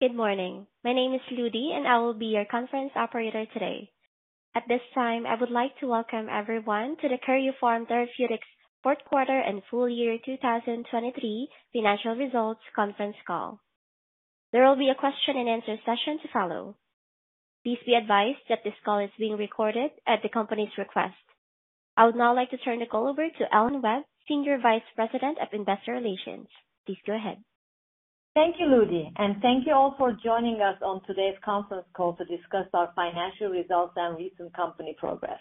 Good morning. My name is Ludi and I will be your conference operator today. At this time, I would like to welcome everyone to the Karyopharm Therapeutics Fourth Quarter and Full Year 2023 Financial Results Conference Call. There will be a question-and-answer session to follow. Please be advised that this call is being recorded at the company's request. I would now like to turn the call over to Elhan Webb, Senior Vice President of Investor Relations. Please go ahead. Thank you, Ludi, and thank you all for joining us on today's conference call to discuss our financial results and recent company progress.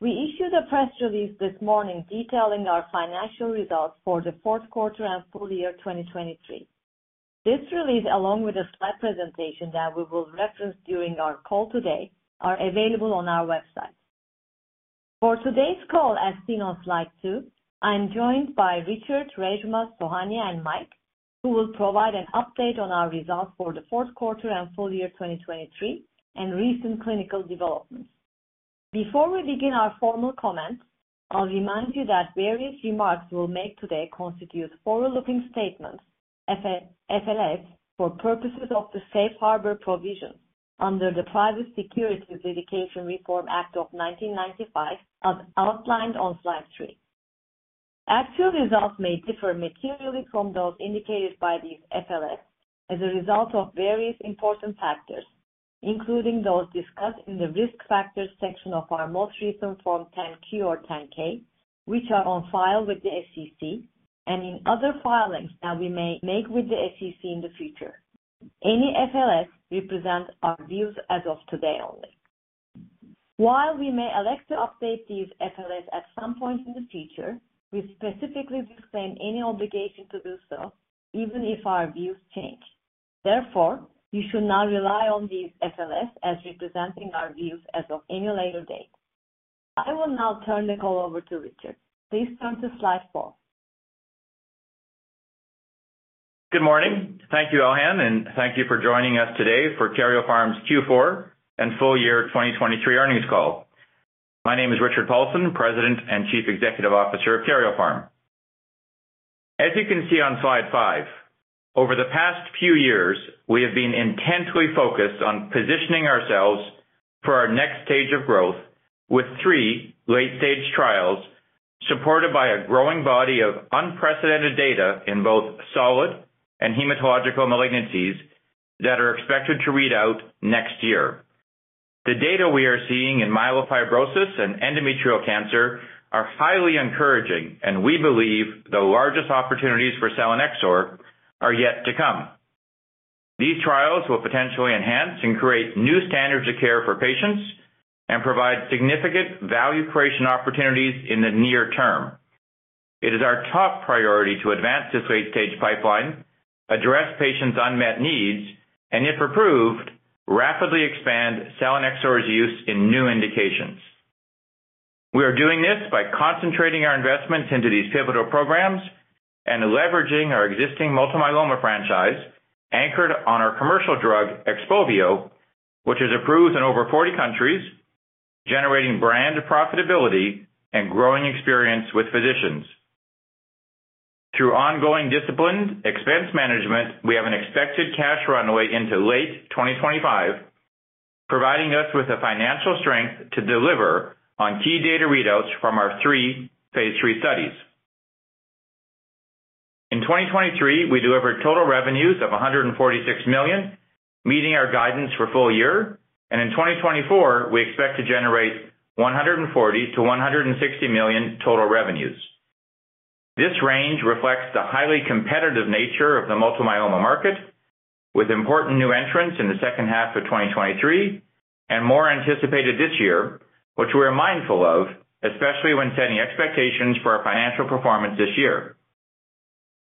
We issued a press release this morning detailing our financial results for the fourth quarter and full year 2023. This release, along with a slide presentation that we will reference during our call today, is available on our website. For today's call, as seen on slide two, I'm joined by Richard, Reshma, Sohanya, and Mike, who will provide an update on our results for the fourth quarter and full year 2023 and recent clinical developments. Before we begin our formal comments, I'll remind you that various remarks we'll make today constitute forward-looking statements for purposes of the Safe Harbor provision under the Private Securities Litigation Reform Act of 1995 as outlined on slide three. Actual results may differ materially from those indicated by these FLS as a result of various important factors, including those discussed in the Risk Factors section of our most recent Form 10-Q or 10-K, which are on file with the SEC, and in other filings that we may make with the SEC in the future. Any FLS represent our views as of today only. While we may elect to update these FLS at some point in the future, we specifically disclaim any obligation to do so, even if our views change. Therefore, you should not rely on these FLS as representing our views as of any later date. I will now turn the call over to Richard. Please turn to slide four. Good morning. Thank you, Elhan, and thank you for joining us today for Karyopharm's Q4 and Full Year 2023 Earnings Call. My name is Richard Paulson, President and Chief Executive Officer of Karyopharm. As you can see on slide five, over the past few years, we have been intently focused on positioning ourselves for our next stage of growth with three late-stage trials supported by a growing body of unprecedented data in both solid and hematological malignancies that are expected to read out next year. The data we are seeing in myelofibrosis and endometrial cancer are highly encouraging, and we believe the largest opportunities for selinexor are yet to come. These trials will potentially enhance and create new standards of care for patients and provide significant value creation opportunities in the near term. It is our top priority to advance this late-stage pipeline, address patients' unmet needs, and if approved, rapidly expand selinexor's use in new indications. We are doing this by concentrating our investments into these pivotal programs and leveraging our existing multi-myeloma franchise anchored on our commercial drug XPOVIO, which is approved in over 40 countries, generating brand profitability and growing experience with physicians. Through ongoing disciplined expense management, we have an expected cash runway into late 2025, providing us with the financial strength to deliver on key data readouts from our three phase III studies. In 2023, we delivered total revenues of $146 million, meeting our guidance for full year, and in 2024, we expect to generate $140 million-$160 million total revenues. This range reflects the highly competitive nature of the multiple myeloma market, with important new entrants in the second half of 2023 and more anticipated this year, which we are mindful of, especially when setting expectations for our financial performance this year.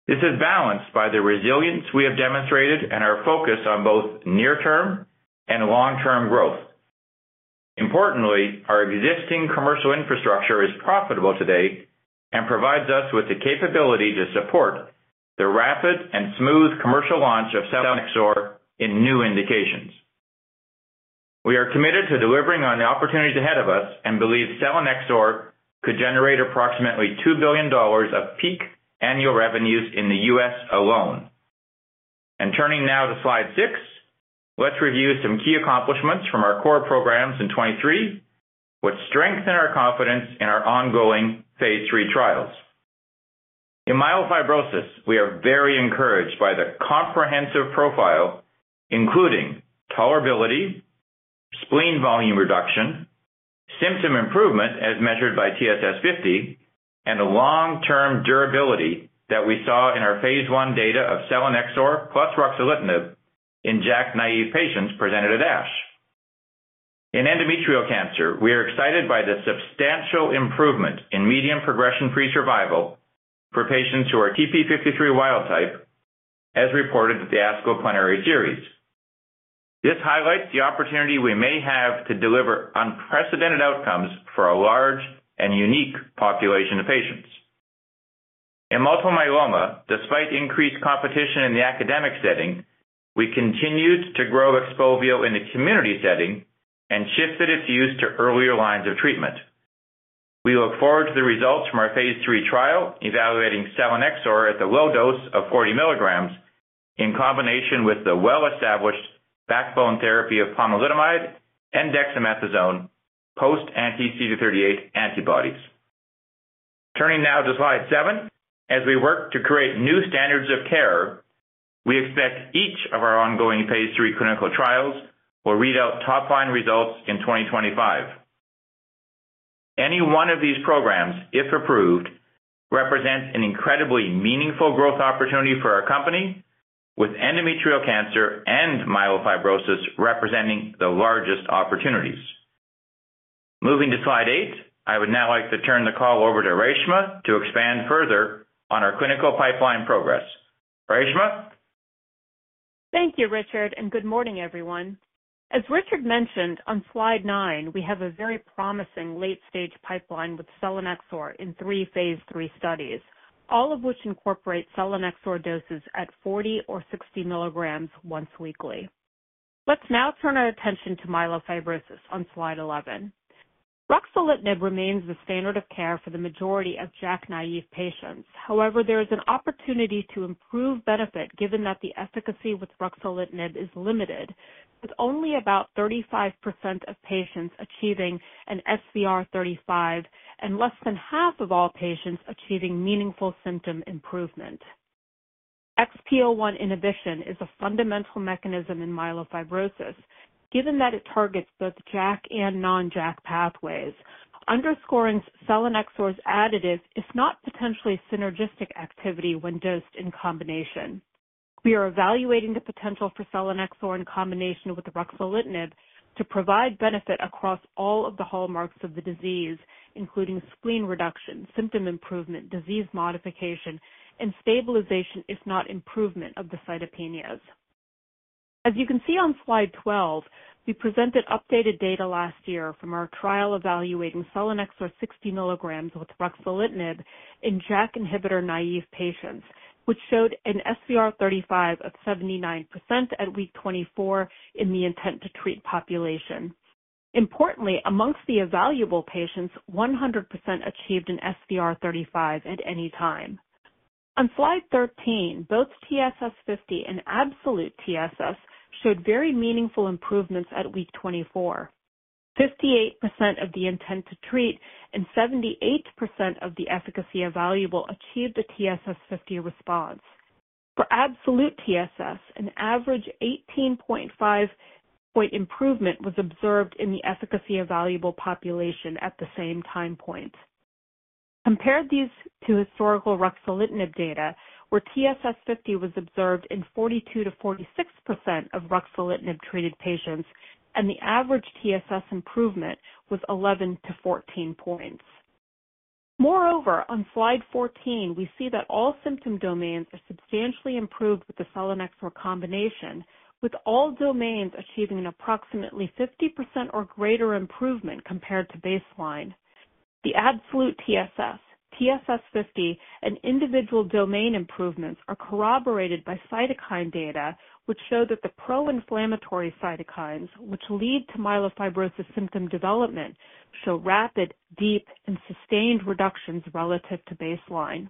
This is balanced by the resilience we have demonstrated and our focus on both near-term and long-term growth. Importantly, our existing commercial infrastructure is profitable today and provides us with the capability to support the rapid and smooth commercial launch of selinexor in new indications. We are committed to delivering on the opportunities ahead of us and believe selinexor could generate approximately $2 billion of peak annual revenues in the U.S. alone. Turning now to slide six, let's review some key accomplishments from our core programs in 2023, which strengthen our confidence in our ongoing phase III trials. In myelofibrosis, we are very encouraged by the comprehensive profile, including tolerability, spleen volume reduction, symptom improvement as measured by TSS-50, and the long-term durability that we saw in our phase I data of selinexor plus ruxolitinib in JAK-naïve patients presented at ASH. In endometrial cancer, we are excited by the substantial improvement in median progression-free survival for patients who are TP53 wild type, as reported with the ASCO Plenary Series. This highlights the opportunity we may have to deliver unprecedented outcomes for a large and unique population of patients. In multiple myeloma, despite increased competition in the academic setting, we continued to grow XPOVIO in the community setting and shifted its use to earlier lines of treatment. We look forward to the results from our phase III trial evaluating selinexor at the low dose of 40 milligrams in combination with the well-established backbone therapy of pomalidomide and dexamethasone post-anti-CD38 antibodies. Turning now to slide seven, as we work to create new standards of care, we expect each of our ongoing phase III clinical trials will read out top-line results in 2025. Any one of these programs, if approved, represents an incredibly meaningful growth opportunity for our company, with endometrial cancer and myelofibrosis representing the largest opportunities. Moving to slide eight, I would now like to turn the call over to Reshma to expand further on our clinical pipeline progress. Reshma? Thank you, Richard, and good morning, everyone. As Richard mentioned, on slide nine, we have a very promising late-stage pipeline with selinexor in three phase III studies, all of which incorporate selinexor doses at 40 or 60 milligrams once weekly. Let's now turn our attention to myelofibrosis on slide 11. Ruxolitinib remains the standard of care for the majority of JAK-naïve patients. However, there is an opportunity to improve benefit given that the efficacy with ruxolitinib is limited, with only about 35% of patients achieving an SVR35 and less than half of all patients achieving meaningful symptom improvement. XPO1 inhibition is a fundamental mechanism in myelofibrosis given that it targets both JAK and non-JAK pathways, underscoring selinexor's additive, if not potentially synergistic activity when dosed in combination. We are evaluating the potential for selinexor in combination with ruxolitinib to provide benefit across all of the hallmarks of the disease, including spleen reduction, symptom improvement, disease modification, and stabilization, if not improvement, of the cytopenias. As you can see on slide 12, we presented updated data last year from our trial evaluating selinexor 60 milligrams with ruxolitinib in JAK-naïve patients, which showed an SVR35 of 79% at week 24 in the intent-to-treat population. Importantly, amongst the evaluable patients, 100% achieved an SVR35 at any time. On slide 13, both TSS-50 and absolute TSS showed very meaningful improvements at week 24. 58% of the intent-to-treat and 78% of the efficacy evaluable achieved a TSS-50 response. For absolute TSS, an average 18.5-point improvement was observed in the efficacy evaluable population at the same time point. Compared these to historical ruxolitinib data, where TSS-50 was observed in 42%-46% of ruxolitinib-treated patients, and the average TSS improvement was 11-14 points. Moreover, on slide 14, we see that all symptom domains are substantially improved with the selinexor combination, with all domains achieving an approximately 50% or greater improvement compared to baseline. The absolute TSS, TSS-50, and individual domain improvements are corroborated by cytokine data, which show that the pro-inflammatory cytokines, which lead to myelofibrosis symptom development, show rapid, deep, and sustained reductions relative to baseline.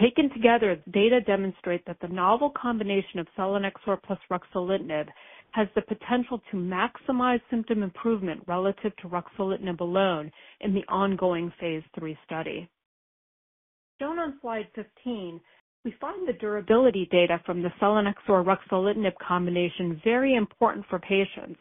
Taken together, the data demonstrate that the novel combination of selinexor plus ruxolitinib has the potential to maximize symptom improvement relative to ruxolitinib alone in the ongoing phase III study. Shown on slide 15, we find the durability data from the selinexor-ruxolitinib combination very important for patients.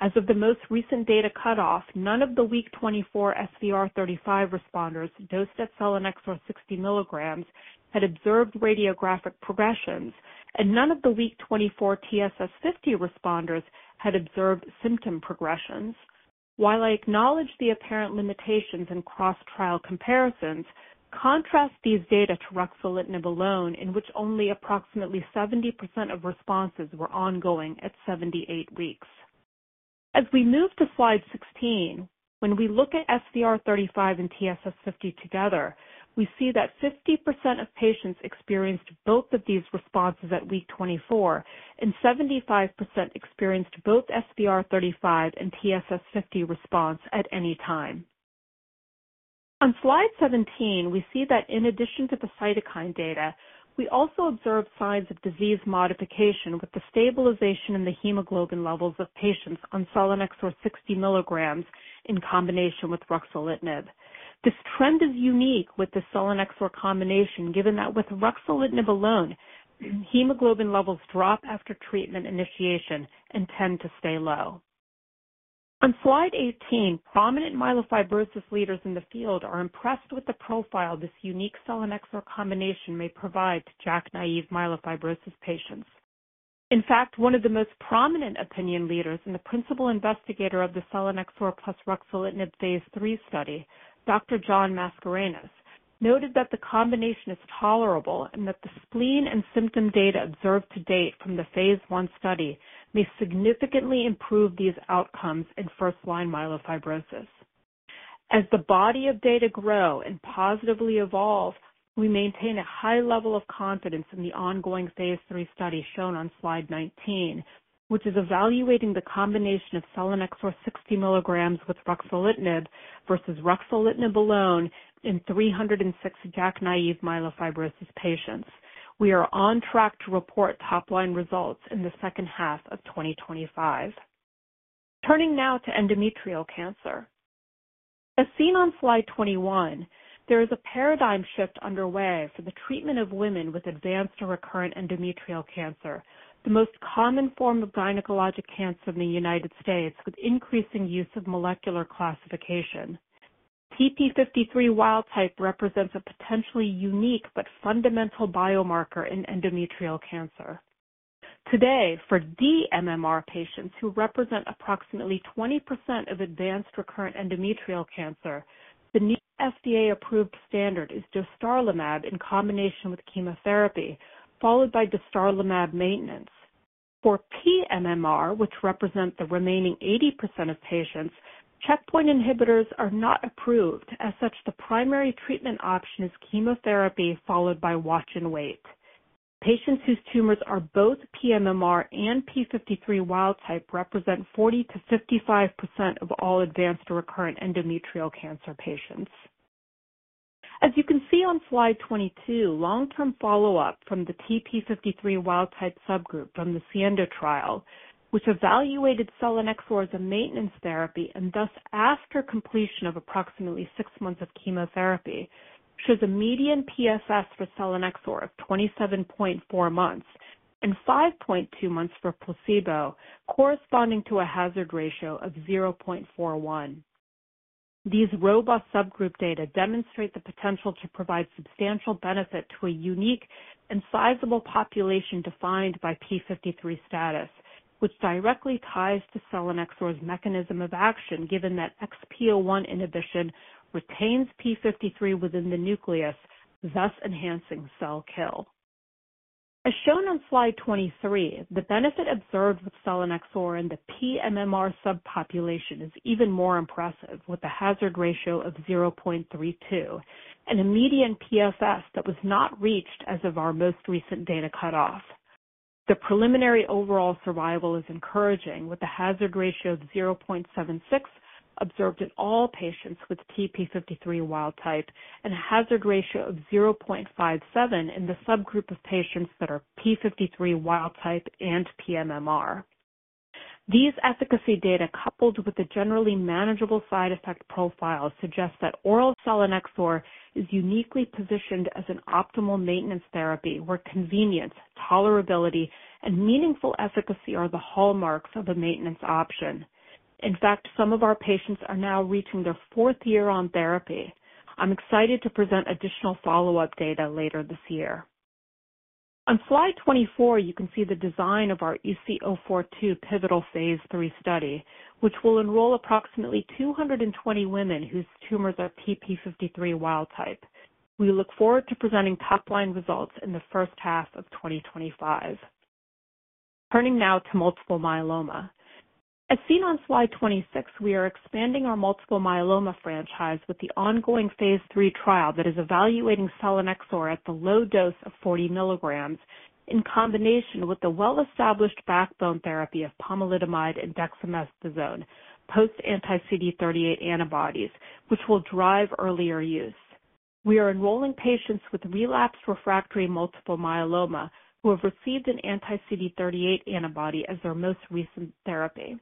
As of the most recent data cutoff, none of the week 24 SVR35 responders dosed at selinexor 60 milligrams had observed radiographic progressions, and none of the week 24 TSS-50 responders had observed symptom progressions. While I acknowledge the apparent limitations in cross-trial comparisons, contrast these data to ruxolitinib alone, in which only approximately 70% of responses were ongoing at 78 weeks. As we move to slide 16, when we look at SVR35 and TSS-50 together, we see that 50% of patients experienced both of these responses at week 24, and 75% experienced both SVR35 and TSS-50 response at any time. On slide 17, we see that in addition to the cytokine data, we also observe signs of disease modification with the stabilization in the hemoglobin levels of patients on selinexor 60 milligrams in combination with ruxolitinib. This trend is unique with the selinexor combination, given that with ruxolitinib alone, hemoglobin levels drop after treatment initiation and tend to stay low. On slide 18, prominent myelofibrosis leaders in the field are impressed with the profile this unique selinexor combination may provide to JAK-naïve myelofibrosis patients. In fact, one of the most prominent opinion leaders and the principal investigator of the selinexor plus ruxolitinib phase III study, Dr. John Mascarenhas, noted that the combination is tolerable and that the spleen and symptom data observed to date from the phase I study may significantly improve these outcomes in first-line myelofibrosis. As the body of data grow and positively evolve, we maintain a high level of confidence in the ongoing phase III study shown on slide 19, which is evaluating the combination of selinexor 60 mg with ruxolitinib versus ruxolitinib alone in 306 JAK-naïve myelofibrosis patients. We are on track to report top-line results in the second half of 2025. Turning now to endometrial cancer. As seen on slide 21, there is a paradigm shift underway for the treatment of women with advanced or recurrent endometrial cancer, the most common form of gynecologic cancer in the United States, with increasing use of molecular classification. TP53 wild type represents a potentially unique but fundamental biomarker in endometrial cancer. Today, for dMMR patients who represent approximately 20% of advanced recurrent endometrial cancer, the new FDA-approved standard is dostarlimab in combination with chemotherapy, followed by dostarlimab maintenance. For pMMR, which represent the remaining 80% of patients, checkpoint inhibitors are not approved. As such, the primary treatment option is chemotherapy, followed by watch and wait. Patients whose tumors are both pMMR and TP53 wild type represent 40%-55% of all advanced or recurrent endometrial cancer patients. As you can see on slide 22, long-term follow-up from the TP53 wild type subgroup from the SIENDO trial, which evaluated selinexor as a maintenance therapy and thus after completion of approximately six months of chemotherapy, shows a median PFS for selinexor of 27.4 months and 5.2 months for placebo, corresponding to a hazard ratio of 0.41. These robust subgroup data demonstrate the potential to provide substantial benefit to a unique and sizable population defined by TP53 status, which directly ties to selinexor's mechanism of action, given that XPO1 inhibition retains TP53 within the nucleus, thus enhancing cell kill. As shown on slide 23, the benefit observed with selinexor in the pMMR subpopulation is even more impressive, with a hazard ratio of 0.32 and a median PFS that was not reached as of our most recent data cutoff. The preliminary overall survival is encouraging, with a hazard ratio of 0.76 observed in all patients with TP53 wild type and a hazard ratio of 0.57 in the subgroup of patients that are TP53 wild type and pMMR. These efficacy data, coupled with the generally manageable side effect profile, suggest that oral selinexor is uniquely positioned as an optimal maintenance therapy, where convenience, tolerability, and meaningful efficacy are the hallmarks of a maintenance option. In fact, some of our patients are now reaching their fourth year on therapy. I'm excited to present additional follow-up data later this year. On slide 24, you can see the design of our EC-042 pivotal phase III study, which will enroll approximately 220 women whose tumors are TP53 wild type. We look forward to presenting top-line results in the first half of 2025. Turning now to multiple myeloma. As seen on slide 26, we are expanding our multiple myeloma franchise with the ongoing phase III trial that is evaluating selinexor at the low dose of 40 mg in combination with the well-established backbone therapy of pomalidomide and dexamethasone, post-anti-CD38 antibodies, which will drive earlier use. We are enrolling patients with relapsed refractory multiple myeloma who have received an anti-CD38 antibody as their most recent therapy.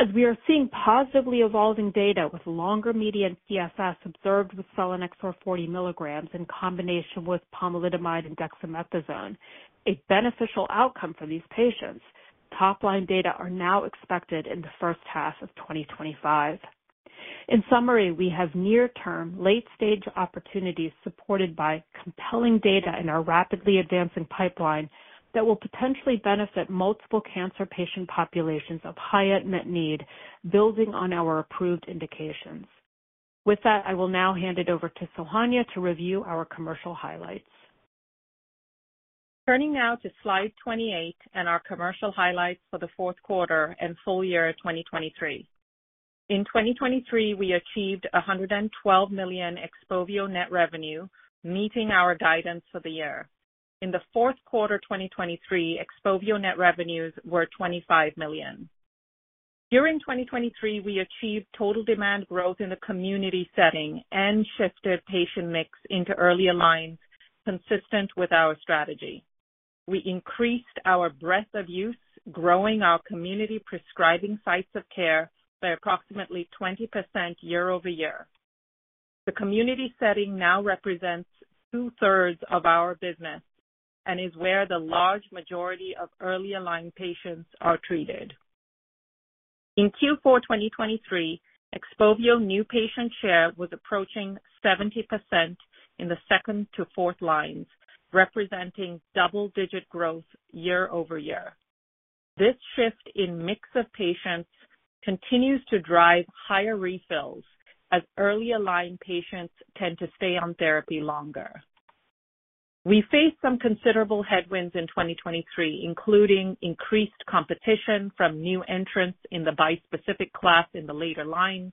As we are seeing positively evolving data with longer median PFS observed with selinexor 40 mg in combination with pomalidomide and dexamethasone, a beneficial outcome for these patients, top-line data are now expected in the first half of 2025. In summary, we have near-term late-stage opportunities supported by compelling data in our rapidly advancing pipeline that will potentially benefit multiple cancer patient populations of high unmet need, building on our approved indications. With that, I will now hand it over to Sohanya to review our commercial highlights. Turning now to slide 28 and our commercial highlights for the fourth quarter and full year 2023. In 2023, we achieved $112 million XPOVIO net revenue, meeting our guidance for the year. In the fourth quarter 2023, XPOVIO net revenues were $25 million. During 2023, we achieved total demand growth in the community setting and shifted patient mix into earlier lines, consistent with our strategy. We increased our breadth of use, growing our community prescribing sites of care by approximately 20% year-over-year. The community setting now represents two-thirds of our business and is where the large majority of early-line patients are treated. In Q4 2023, XPOVIO new patient share was approaching 70% in the second to fourth lines, representing double-digit growth year-over-year. This shift in mix of patients continues to drive higher refills as early-line patients tend to stay on therapy longer. We faced some considerable headwinds in 2023, including increased competition from new entrants in the bispecific class in the later lines,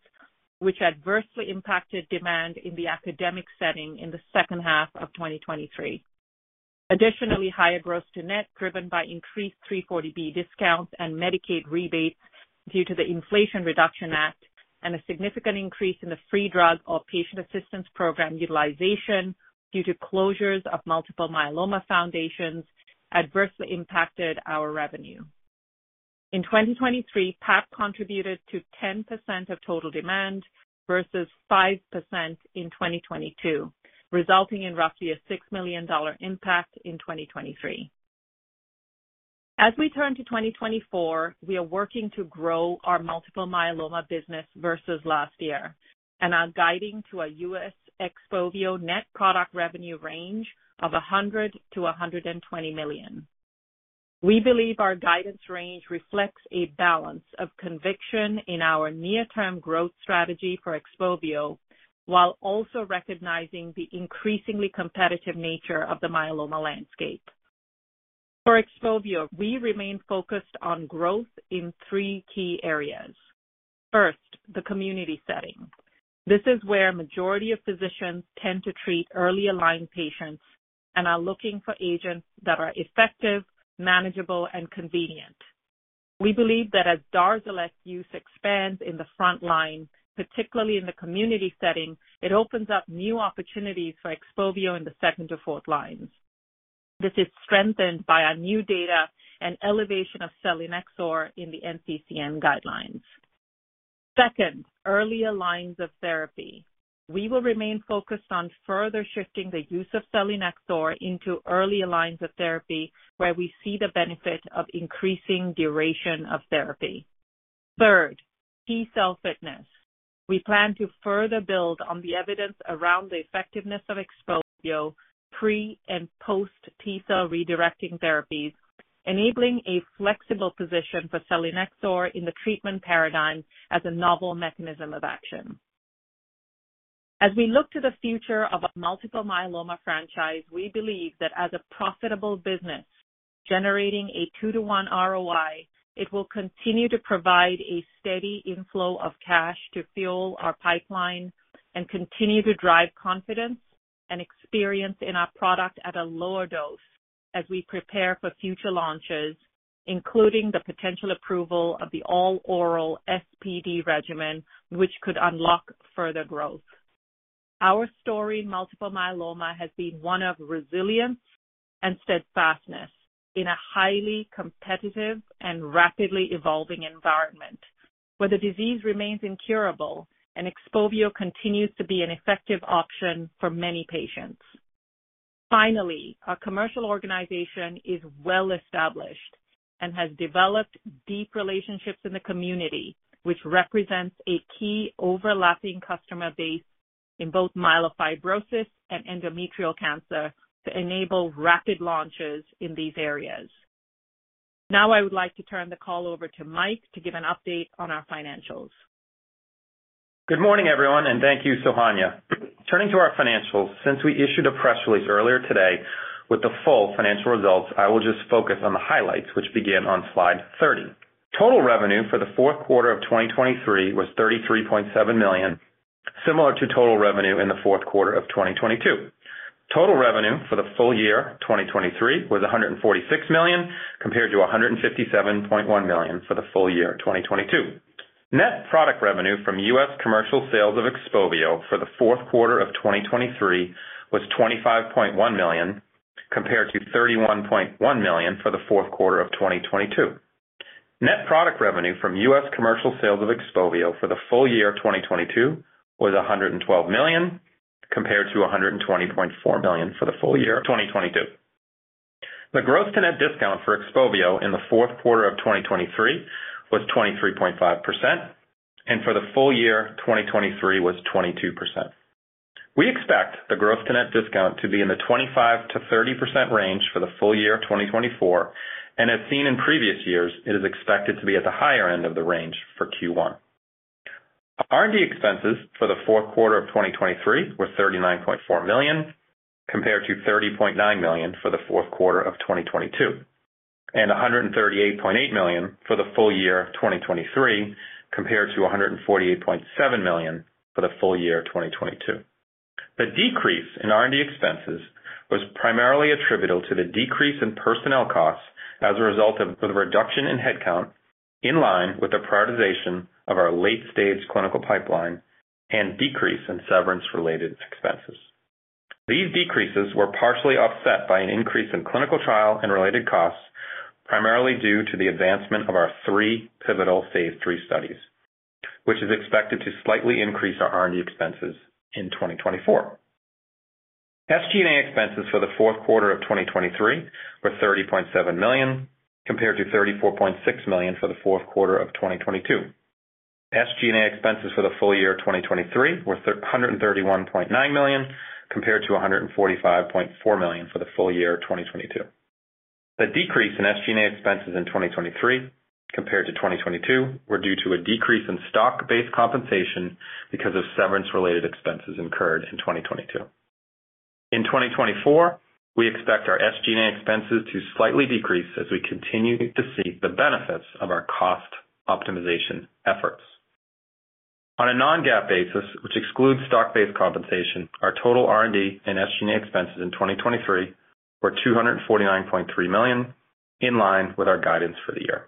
which adversely impacted demand in the academic setting in the second half of 2023. Additionally, higher gross-to-net, driven by increased 340B discounts and Medicaid rebates due to the Inflation Reduction Act, and a significant increase in the free drug or patient assistance program utilization due to closures of multiple myeloma foundations, adversely impacted our revenue. In 2023, PAP contributed to 10% of total demand versus 5% in 2022, resulting in roughly a $6 million impact in 2023. As we turn to 2024, we are working to grow our multiple myeloma business versus last year and are guiding to a U.S. XPOVIO net product revenue range of $100 million-$120 million. We believe our guidance range reflects a balance of conviction in our near-term growth strategy for XPOVIO while also recognizing the increasingly competitive nature of the myeloma landscape. For XPOVIO, we remain focused on growth in three key areas. First, the community setting. This is where a majority of physicians tend to treat early-line patients and are looking for agents that are effective, manageable, and convenient. We believe that as DARZALEX use expands in the front line, particularly in the community setting, it opens up new opportunities for XPOVIO in the second to fourth lines. This is strengthened by our new data and elevation of selinexor in the NCCN guidelines. Second, early lines of therapy. We will remain focused on further shifting the use of selinexor into early lines of therapy where we see the benefit of increasing duration of therapy. Third, T-cell fitness. We plan to further build on the evidence around the effectiveness of XPOVIO pre and post-T-cell redirecting therapies, enabling a flexible position for selinexor in the treatment paradigm as a novel mechanism of action. As we look to the future of a multiple myeloma franchise, we believe that as a profitable business generating a 2-to-1 ROI, it will continue to provide a steady inflow of cash to fuel our pipeline and continue to drive confidence and experience in our product at a lower dose as we prepare for future launches, including the potential approval of the all-oral SPD regimen, which could unlock further growth. Our story in multiple myeloma has been one of resilience and steadfastness in a highly competitive and rapidly evolving environment, where the disease remains incurable and XPOVIO continues to be an effective option for many patients. Finally, our commercial organization is well-established and has developed deep relationships in the community, which represents a key overlapping customer base in both myelofibrosis and endometrial cancer to enable rapid launches in these areas. Now, I would like to turn the call over to Mike to give an update on our financials. Good morning, everyone, and thank you, Sohanya. Turning to our financials, since we issued a press release earlier today with the full financial results, I will just focus on the highlights, which begin on slide 30. Total revenue for the fourth quarter of 2023 was $33.7 million, similar to total revenue in the fourth quarter of 2022. Total revenue for the full year 2023 was $146 million compared to $157.1 million for the full year 2022. Net product revenue from U.S. commercial sales of XPOVIO for the fourth quarter of 2023 was $25.1 million compared to $31.1 million for the fourth quarter of 2022. Net product revenue from U.S. commercial sales of XPOVIO for the full year 2023 was $112 million compared to $120.4 million for the full year 2022. The gross-to-net discount for XPOVIO in the fourth quarter of 2023 was 23.5%, and for the full year 2023 was 22%. We expect the gross-to-net discount to be in the 25%-30% range for the full year 2024, and as seen in previous years, it is expected to be at the higher end of the range for Q1. R&D expenses for the fourth quarter of 2023 were $39.4 million compared to $30.9 million for the fourth quarter of 2022, and $138.8 million for the full year 2023 compared to $148.7 million for the full year 2022. The decrease in R&D expenses was primarily attributable to the decrease in personnel costs as a result of the reduction in headcount, in line with the prioritization of our late-stage clinical pipeline and decrease in severance-related expenses. These decreases were partially offset by an increase in clinical trial and related costs, primarily due to the advancement of our three pivotal phase III studies, which is expected to slightly increase our R&D expenses in 2024. SG&A expenses for the fourth quarter of 2023 were $30.7 million compared to $34.6 million for the fourth quarter of 2022. SG&A expenses for the full year 2023 were $131.9 million compared to $145.4 million for the full year 2022. The decrease in SG&A expenses in 2023 compared to 2022 was due to a decrease in stock-based compensation because of severance-related expenses incurred in 2022. In 2024, we expect our SG&A expenses to slightly decrease as we continue to see the benefits of our cost optimization efforts. On a non-GAAP basis, which excludes stock-based compensation, our total R&D and SG&A expenses in 2023 were $249.3 million, in line with our guidance for the year.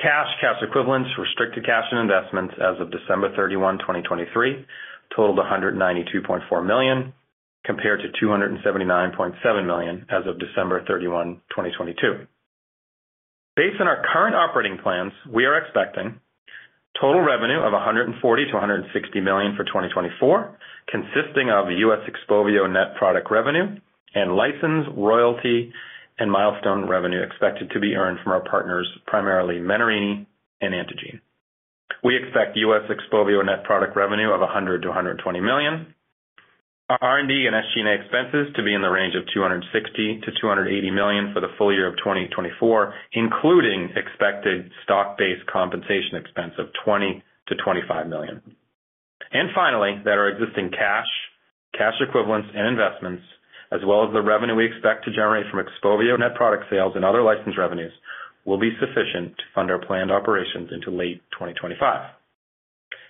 Cash, cash equivalents, restricted cash, and investments as of December 31, 2023, totaled $192.4 million compared to $279.7 million as of December 31, 2022. Based on our current operating plans, we are expecting total revenue of $140 million-$160 million for 2024, consisting of U.S. XPOVIO net product revenue and license, royalty, and milestone revenue expected to be earned from our partners, primarily Menarini and Antengene. We expect U.S. XPOVIO net product revenue of $100 million-$120 million. Our R&D and SG&A expenses to be in the range of $260 million-$280 million for the full year of 2024, including expected stock-based compensation expense of $20 million-$25 million. And finally, that our existing cash, cash equivalents, and investments, as well as the revenue we expect to generate from XPOVIO net product sales and other license revenues, will be sufficient to fund our planned operations into late 2025.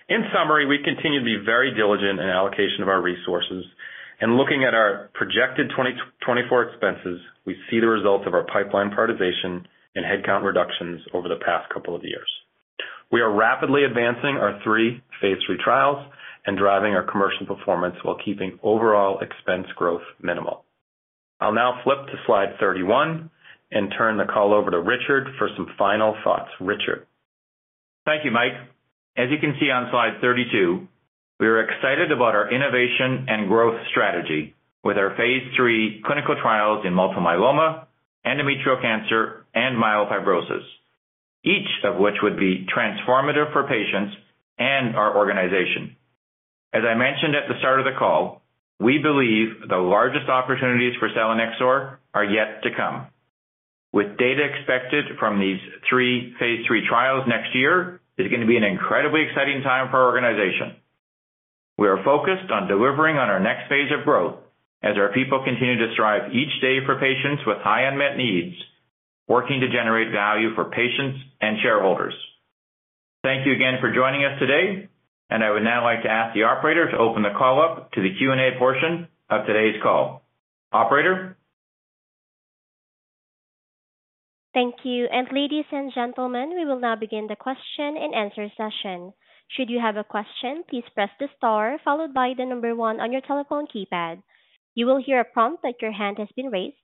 In summary, we continue to be very diligent in allocation of our resources, and looking at our projected 2024 expenses, we see the results of our pipeline prioritization and headcount reductions over the past couple of years. We are rapidly advancing our three phase III trials and driving our commercial performance while keeping overall expense growth minimal. I'll now flip to slide 31 and turn the call over to Richard for some final thoughts. Richard. Thank you, Mike. As you can see on slide 32, we are excited about our innovation and growth strategy with our phase III clinical trials in multiple myeloma, endometrial cancer, and myelofibrosis, each of which would be transformative for patients and our organization. As I mentioned at the start of the call, we believe the largest opportunities for selinexor are yet to come. With data expected from these three phase III trials next year, it's going to be an incredibly exciting time for our organization. We are focused on delivering on our next phase of growth as our people continue to strive each day for patients with high unmet needs, working to generate value for patients and shareholders. Thank you again for joining us today, and I would now like to ask the operator to open the call up to the Q&A portion of today's call. Operator. Thank you. And ladies and gentlemen, we will now begin the question and answer session. Should you have a question, please press the star followed by the number one on your telephone keypad. You will hear a prompt that your hand has been raised.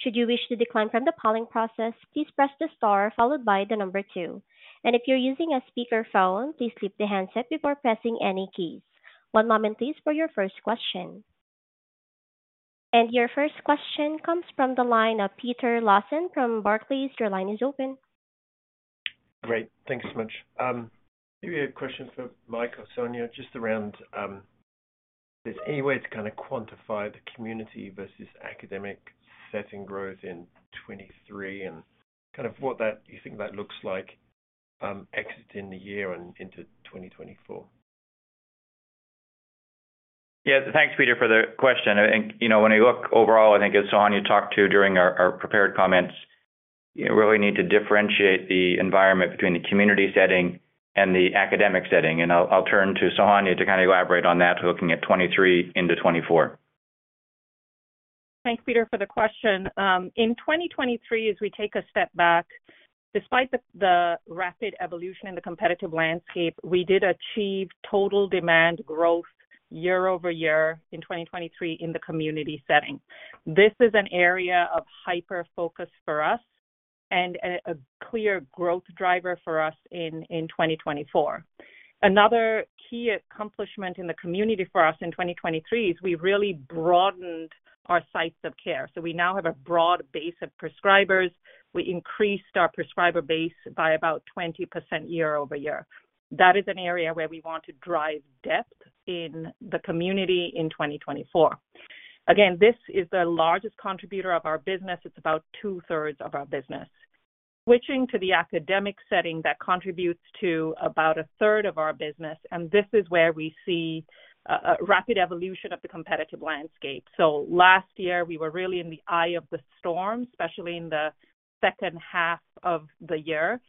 Should you wish to decline from the polling process, please press the star followed by the number two. And if you're using a speakerphone, please flip the handset before pressing any keys. One moment, please, for your first question. And your first question comes from the line of Peter Lawson from Barclays. Your line is open. Great. Thanks so much. Maybe a question for Mike or Sohanya, just around is there any way to kind of quantify the community versus academic setting growth in 2023 and kind of what you think that looks like exiting the year and into 2024? Yeah, thanks, Peter, for the question. When you look overall, I think, as Sohanya talked to during our prepared comments, you really need to differentiate the environment between the community setting and the academic setting. I'll turn to Sohanya to kind of elaborate on that, looking at 2023 into 2024. Thanks, Peter, for the question. In 2023, as we take a step back, despite the rapid evolution in the competitive landscape, we did achieve total demand growth year-over-year in 2023 in the community setting. This is an area of hyper-focus for us and a clear growth driver for us in 2024. Another key accomplishment in the community for us in 2023 is we really broadened our sites of care. So we now have a broad base of prescribers. We increased our prescriber base by about 20% year-over-year. That is an area where we want to drive depth in the community in 2024. Again, this is the largest contributor of our business. It's about two-thirds of our business. Switching to the academic setting, that contributes to about a third of our business, and this is where we see a rapid evolution of the competitive landscape. So last year, we were really in the eye of the storm, especially in the second half of the year,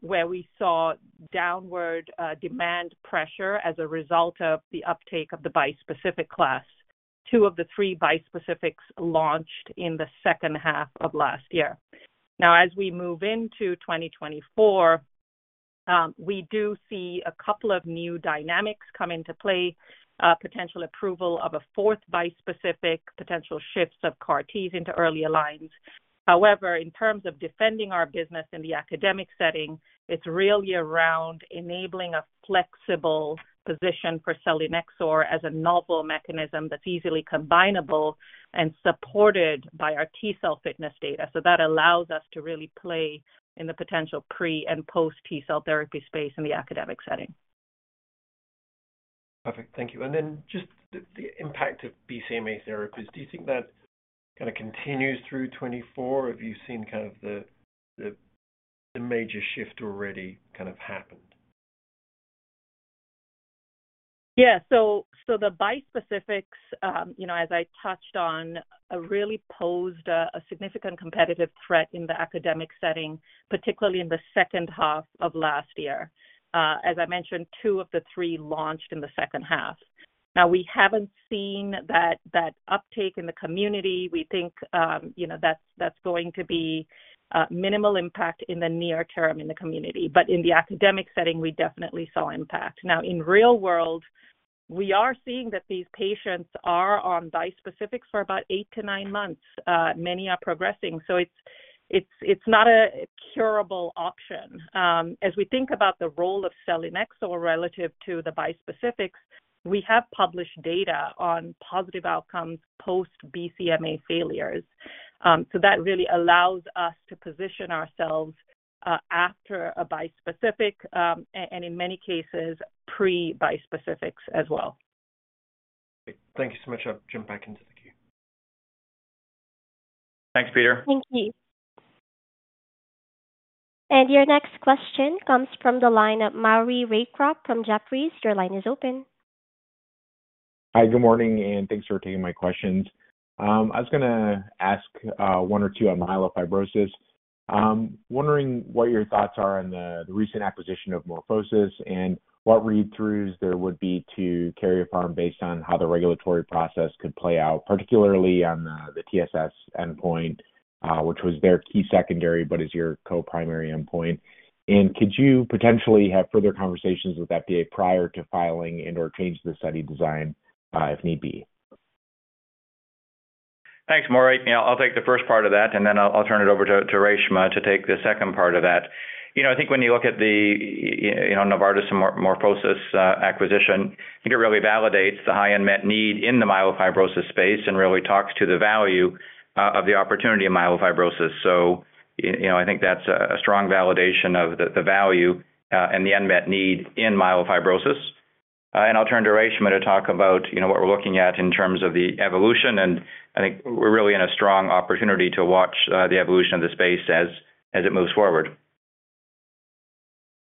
where we saw downward demand pressure as a result of the uptake of the bispecific class. Two of the three bispecifics launched in the second half of last year. Now, as we move into 2024, we do see a couple of new dynamics come into play: potential approval of a fourth bispecific, potential shifts of CAR-Ts into early lines. However, in terms of defending our business in the academic setting, it's really around enabling a flexible position for selinexor as a novel mechanism that's easily combinable and supported by our T-cell fitness data. So that allows us to really play in the potential pre and post-T-cell therapy space in the academic setting. Perfect. Thank you. Then just the impact of BCMA therapies, do you think that kind of continues through 2024, or have you seen kind of the major shift already kind of happened? Yeah. So the bispecifics, as I touched on, really posed a significant competitive threat in the academic setting, particularly in the second half of last year. As I mentioned, two of the three launched in the second half. Now, we haven't seen that uptake in the community. We think that's going to be minimal impact in the near term in the community. But in the academic setting, we definitely saw impact. Now, in real world, we are seeing that these patients are on bispecifics for about eight-nine months. Many are progressing. So it's not a curable option. As we think about the role of selinexor relative to the bispecifics, we have published data on positive outcomes post-BCMA failures. So that really allows us to position ourselves after a bispecific and, in many cases, pre-bispecifics as well. Great. Thank you so much. I'll jump back into the queue. Thanks, Peter. Thank you. Your next question comes from the line of Maury Raycroft from Jefferies. Your line is open. Hi, good morning, and thanks for taking my questions. I was going to ask one or two on myelofibrosis. Wondering what your thoughts are on the recent acquisition of MorphoSys and what read-throughs there would be to Karyopharm based on how the regulatory process could play out, particularly on the TSS endpoint, which was their key secondary but is your co-primary endpoint. And could you potentially have further conversations with FDA prior to filing and/or changing the study design if need be? Thanks, Maury. I'll take the first part of that, and then I'll turn it over to Reshma to take the second part of that. I think when you look at the Novartis and MorphoSys acquisition, I think it really validates the high unmet need in the myelofibrosis space and really talks to the value of the opportunity in myelofibrosis. So I think that's a strong validation of the value and the unmet need in myelofibrosis. And I'll turn to Reshma to talk about what we're looking at in terms of the evolution. And I think we're really in a strong opportunity to watch the evolution of the space as it moves forward.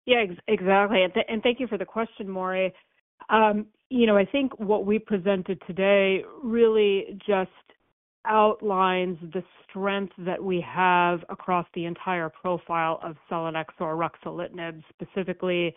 Yeah, exactly. And thank you for the question, Maury. I think what we presented today really just outlines the strength that we have across the entire profile of selinexor, ruxolitinib, specifically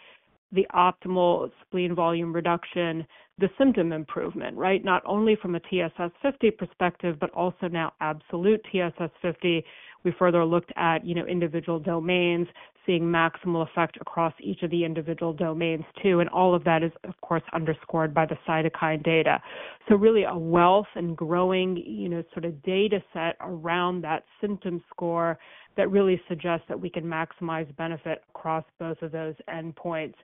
the optimal spleen volume reduction, the symptom improvement, right, not only from a TSS-50 perspective but also now absolute TSS-50. We further looked at individual domains, seeing maximal effect across each of the individual domains too. And all of that is, of course, underscored by the cytokine data. So really a wealth and growing sort of dataset around that symptom score that really suggests that we can maximize benefit across both of those endpoints.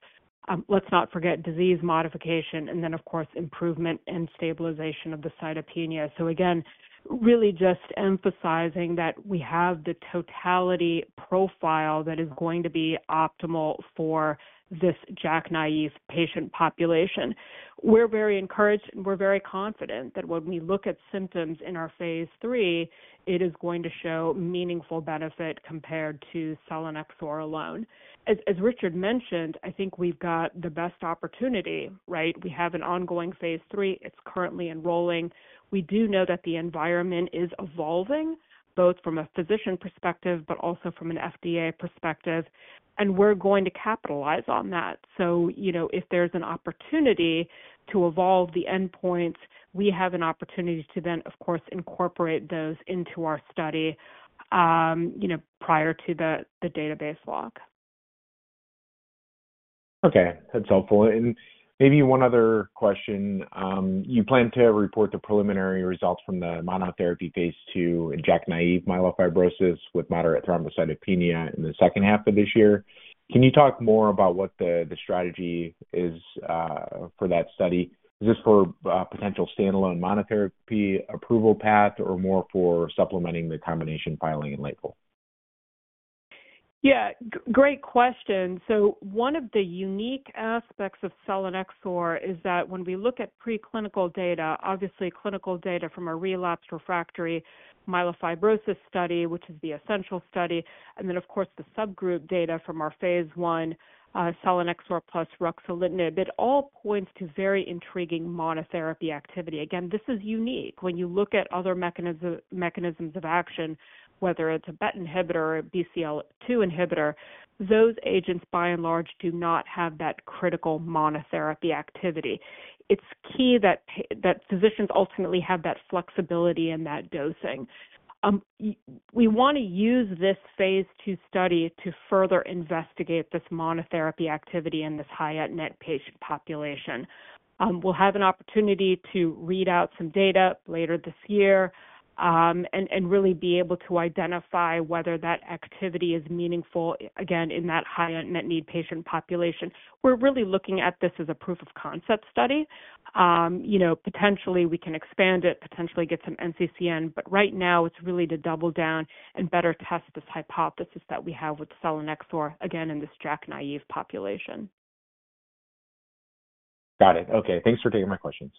Let's not forget disease modification and then, of course, improvement and stabilization of the cytopenia. So again, really just emphasizing that we have the totality profile that is going to be optimal for this JAK-naïve patient population. We're very encouraged, and we're very confident that when we look at symptoms in our phase III, it is going to show meaningful benefit compared to selinexor alone. As Richard mentioned, I think we've got the best opportunity, right? We have an ongoing phase III. It's currently enrolling. We do know that the environment is evolving, both from a physician perspective but also from an FDA perspective. We're going to capitalize on that. So if there's an opportunity to evolve the endpoints, we have an opportunity to then, of course, incorporate those into our study prior to the database log. Okay. That's helpful. And maybe one other question. You plan to report the preliminary results from the monotherapy phase II in JAK-naïve myelofibrosis with moderate thrombocytopenia in the second half of this year. Can you talk more about what the strategy is for that study? Is this for potential standalone monotherapy approval path or more for supplementing the combination filing in Lighthouse? Yeah. Great question. So one of the unique aspects of selinexor is that when we look at preclinical data, obviously clinical data from our relapsed refractory myelofibrosis study, which is the essential study, and then, of course, the subgroup data from our phase I, selinexor plus ruxolitinib, it all points to very intriguing monotherapy activity. Again, this is unique. When you look at other mechanisms of action, whether it's a BET inhibitor or a BCL2 inhibitor, those agents, by and large, do not have that critical monotherapy activity. It's key that physicians ultimately have that flexibility in that dosing. We want to use this phase II study to further investigate this monotherapy activity in this high unmet patient population. We'll have an opportunity to read out some data later this year and really be able to identify whether that activity is meaningful, again, in that high unmet need patient population. We're really looking at this as a proof of concept study. Potentially, we can expand it, potentially get some NCCN, but right now, it's really to double down and better test this hypothesis that we have with selinexor, again, in this JAK-naïve population. Got it. Okay. Thanks for taking my questions.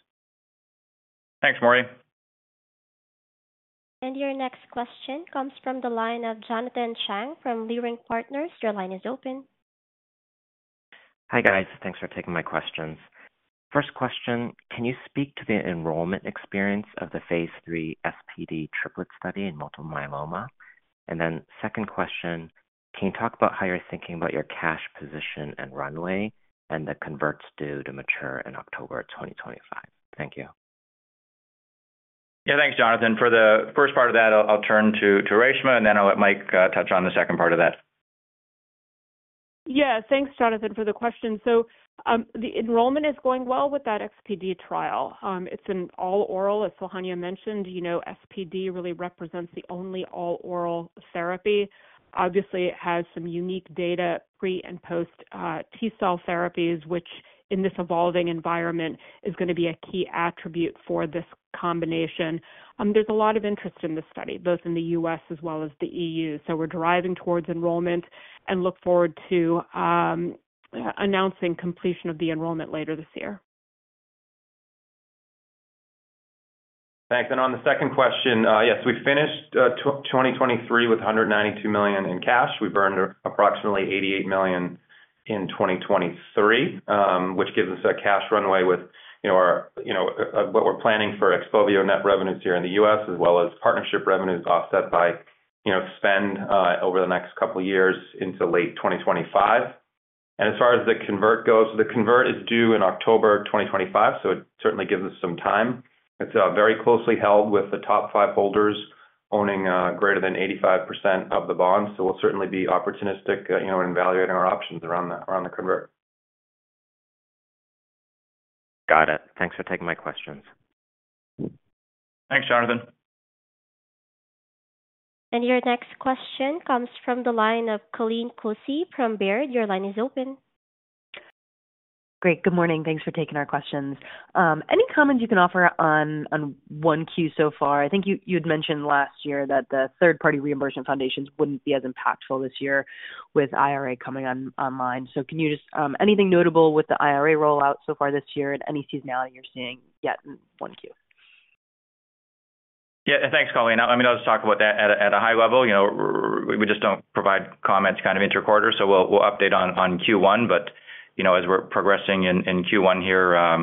Thanks, Maury. Your next question comes from the line of Jonathan Chang from Leerink Partners. Your line is open. Hi, guys. Thanks for taking my questions. First question, can you speak to the enrollment experience of the phase III SPd triplet study in multiple myeloma? And then second question, can you talk about how you're thinking about your cash position and runway and the converts due to mature in October 2025? Thank you. Yeah, thanks, Jonathan. For the first part of that, I'll turn to Reshma, and then I'll let Mike touch on the second part of that. Yeah. Thanks, Jonathan, for the question. So the enrollment is going well with that SPD trial. It's an all-oral. As Sohanya mentioned, SPD really represents the only all-oral therapy. Obviously, it has some unique data, pre and post-T-cell therapies, which in this evolving environment is going to be a key attribute for this combination. There's a lot of interest in this study, both in the U.S. as well as the E.U. So we're driving towards enrollment and look forward to announcing completion of the enrollment later this year. Thanks. On the second question, yes, we finished 2023 with $192 million in cash. We burned approximately $88 million in 2023, which gives us a cash runway with what we're planning for XPOVIO net revenues here in the U.S. as well as partnership revenues offset by spend over the next couple of years into late 2025. As far as the convert goes, the convert is due in October 2025, so it certainly gives us some time. It's very closely held with the top five holders owning greater than 85% of the bonds. So we'll certainly be opportunistic in evaluating our options around the convert. Got it. Thanks for taking my questions. Thanks, Jonathan. Your next question comes from the line of Colleen Kusy from Baird. Your line is open. Great. Good morning. Thanks for taking our questions. Any comments you can offer on Q1 so far? I think you had mentioned last year that the third-party reimbursement foundations wouldn't be as impactful this year with IRA coming online. So can you just anything notable with the IRA rollout so far this year and any seasonality you're seeing yet in Q1? Yeah. Thanks, Colleen. I mean, I'll just talk about that at a high level. We just don't provide comments kind of interquarter, so we'll update on Q1. But as we're progressing in Q1 here,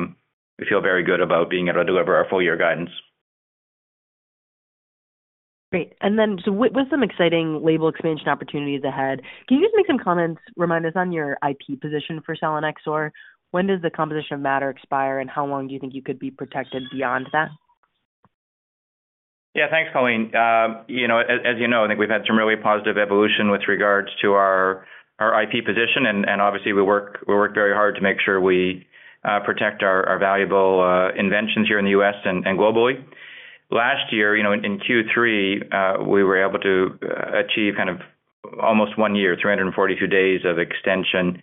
we feel very good about being able to deliver our full-year guidance. Great. With some exciting label expansion opportunities ahead, can you just make some comments, remind us on your IP position for selinexor? When does the composition of matter expire, and how long do you think you could be protected beyond that? Yeah. Thanks, Colleen. As you know, I think we've had some really positive evolution with regards to our IP position. And obviously, we work very hard to make sure we protect our valuable inventions here in the U.S. and globally. Last year, in Q3, we were able to achieve kind of almost one year, 342 days of extension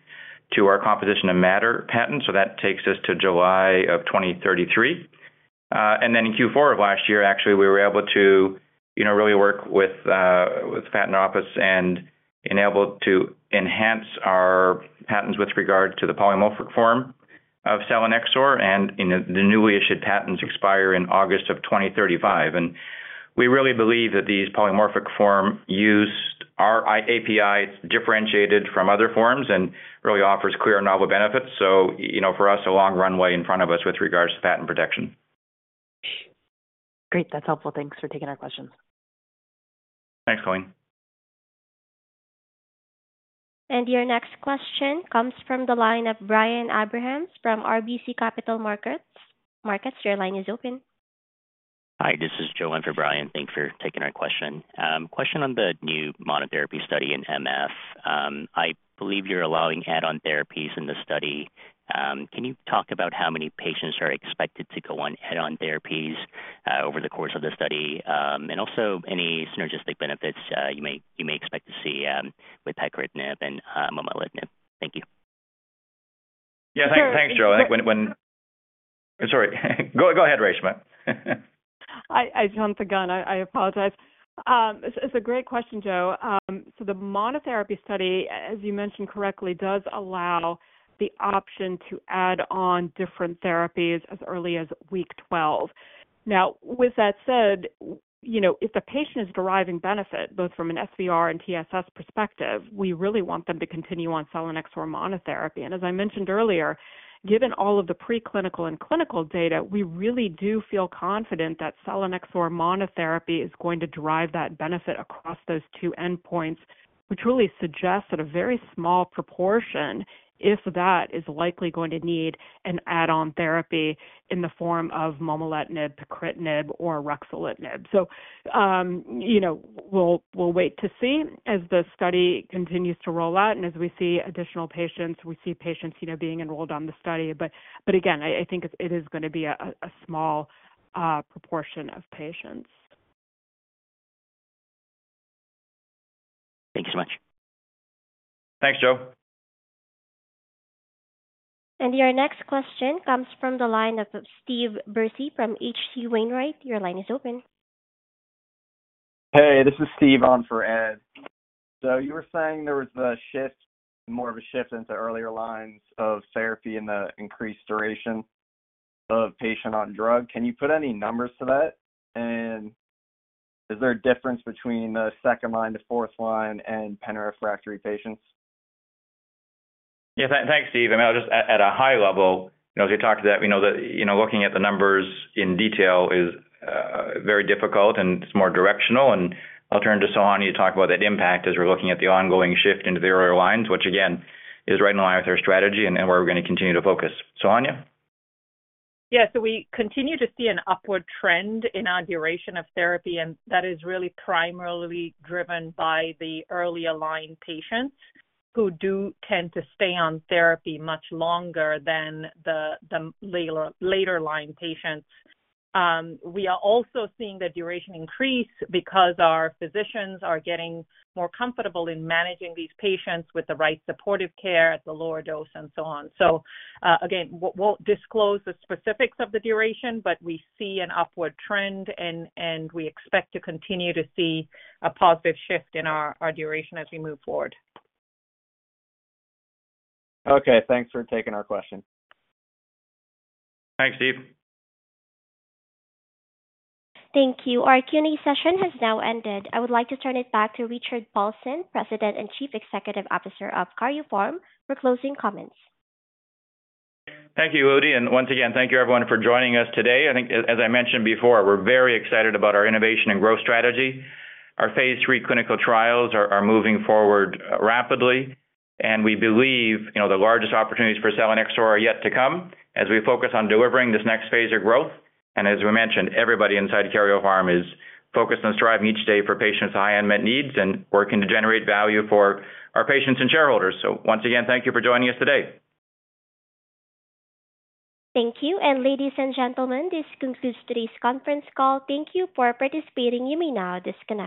to our composition of matter patent. So that takes us to July of 2033. And then in Q4 of last year, actually, we were able to really work with the patent office and enable to enhance our patents with regard to the polymorphic form of selinexor. And the newly issued patents expire in August of 2035. And we really believe that these polymorphic form use our API is differentiated from other forms and really offers clear novel benefits. For us, a long runway in front of us with regards to patent protection. Great. That's helpful. Thanks for taking our questions. Thanks, Colleen. And your next question comes from the line of Brian Abrahams from RBC Capital Markets. Your line is open. Hi. This is Joel for Brian. Thanks for taking our question. Question on the new monotherapy study in MF. I believe you're allowing add-on therapies in the study. Can you talk about how many patients are expected to go on add-on therapies over the course of the study and also any synergistic benefits you may expect to see with pacritinib and momelotinib? Thank you. Yeah. Thanks, Joel. Sorry. Go ahead, Reshma. I jumped the gun. I apologize. It's a great question, Joe. So the monotherapy study, as you mentioned correctly, does allow the option to add on different therapies as early as week 12. Now, with that said, if the patient is deriving benefit both from an SVR and TSS perspective, we really want them to continue on selinexor monotherapy. And as I mentioned earlier, given all of the preclinical and clinical data, we really do feel confident that selinexor monotherapy is going to drive that benefit across those two endpoints, which really suggests that a very small proportion, if that, is likely going to need an add-on therapy in the form of momelotinib, pacritinib, or ruxolitinib. So we'll wait to see as the study continues to roll out and as we see additional patients, we see patients being enrolled on the study. But again, I think it is going to be a small proportion of patients. Thank you so much. Thanks, Joel. Your next question comes from the line of Steve Bursey from H.C. Wainwright. Your line is open. Hey. This is Steve on for Ed. So you were saying there was more of a shift into earlier lines of therapy and the increased duration of patient-on-drug. Can you put any numbers to that? And is there a difference between the second-line to fourth-line and penta-refractory patients? Yeah. Thanks, Steve. I mean, I'll just at a high level, as we talked about, looking at the numbers in detail is very difficult, and it's more directional. And I'll turn to Sohanya to talk about that impact as we're looking at the ongoing shift into the earlier lines, which, again, is right in line with our strategy and where we're going to continue to focus. Sohanya? Yeah. So we continue to see an upward trend in our duration of therapy, and that is really primarily driven by the earlier line patients who do tend to stay on therapy much longer than the later line patients. We are also seeing the duration increase because our physicians are getting more comfortable in managing these patients with the right supportive care at the lower dose and so on. So again, won't disclose the specifics of the duration, but we see an upward trend, and we expect to continue to see a positive shift in our duration as we move forward. Okay. Thanks for taking our question. Thanks, Steve. Thank you. Our Q&A session has now ended. I would like to turn it back to Richard Paulson, President and Chief Executive Officer of Karyopharm. For closing comments. Thank you, Ludi. And once again, thank you, everyone, for joining us today. I think, as I mentioned before, we're very excited about our innovation and growth strategy. Our phase III clinical trials are moving forward rapidly, and we believe the largest opportunities for selinexor are yet to come as we focus on delivering this next phase of growth. And as we mentioned, everybody inside Karyopharm is focused on striving each day for patients' high unmet needs and working to generate value for our patients and shareholders. So once again, thank you for joining us today. Thank you. Ladies and gentlemen, this concludes today's conference call. Thank you for participating. You may now disconnect.